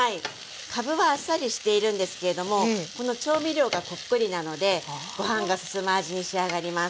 かぶはあっさりしているんですけれどもこの調味料がこっくりなのでご飯がすすむ味に仕上がります。